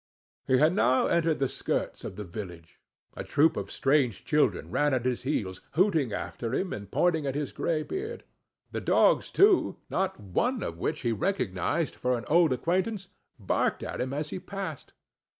He had now entered the skirts of the village. A troop of strange children ran at his heels, hooting after him, and pointing at his gray beard. The dogs, too, not one of[Pg 13] which he recognized for an old acquaintance, barked at him as he passed.